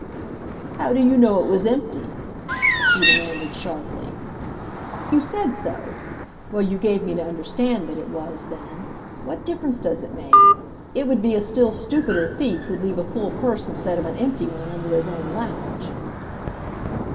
"How do you know it was empty?" he demanded sharply. "You said so... Well, you gave me to understand that it was, then. What difference does it make? It would be a still stupider thief who'd leave a full purse instead of an empty one under his own lounge."